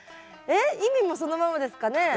えっ意味もそのままですかね？